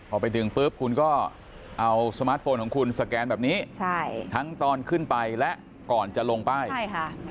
พอไปถึงปุ๊บคุณก็เอาสมาร์ทโฟนของคุณสแกนแบบนี้ใช่ทั้งตอนขึ้นไปและก่อนจะลงป้ายใช่ค่ะ